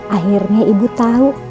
akhirnya ibu tau